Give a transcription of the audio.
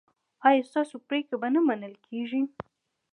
ایا ستاسو پریکړې به نه منل کیږي؟